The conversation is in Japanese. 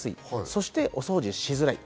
そしてお掃除しづらい。